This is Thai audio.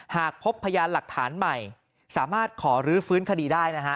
หากพบพยานหลักฐานใหม่สามารถขอรื้อฟื้นคดีได้นะฮะ